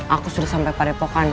aku sudah sampai pada epokan